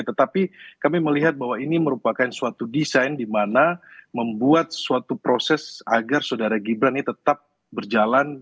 tetapi kami melihat bahwa ini merupakan suatu desain di mana membuat suatu proses agar saudara gibran ini tetap berjalan